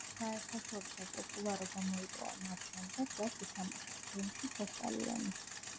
საერთაშორისო პოპულარობა მოიპოვა მას შემდეგ, რაც ითამაშა ფილმში „ფოსტალიონი“.